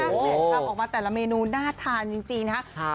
ทำออกมาแต่ละเมนูน่าทานจริงนะครับ